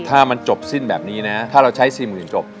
ถ้ามันจบสิ้นแบบนี้นะถ้าเราใช้สิ้นเงินจบ